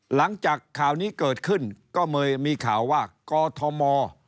หลังจากข่าวนี้เกิดขึ้นก็เคยมีข่าวว่ากอทม